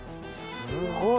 すごい。